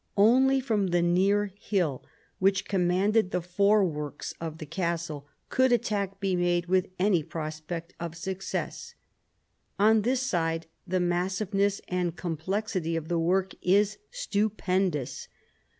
Only from the near hill, which commanded the foreworks of the castle, could attack be made with any prospect of success. On this side the massiveness and complexity of the work is stupendous.